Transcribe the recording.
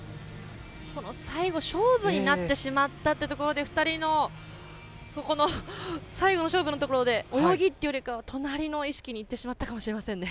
最後勝負になってしまったというところで２人の、そこの最後の勝負のところで泳ぎっていうよりは隣の意識にいってしまったかと思います。